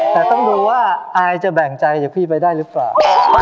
แต่ต้องดูว่าอายจะแบ่งใจจากพี่ไปได้หรือเปล่า